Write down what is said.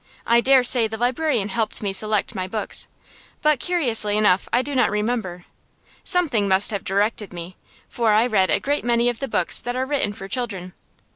I dare say the librarian helped me select my books, but, curiously enough, I do not remember. Something must have directed me, for I read a great many of the books that are written for children.